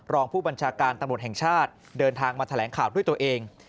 รองผู้บัญชาการตำรวจแห่งชาติเดินทางมาแถลงข่าวด้วยตัวเอง